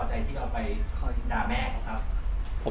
เขาอยากบอกว่าเขาไม่พอใจที่เราเคยด่าแม่เขาครับ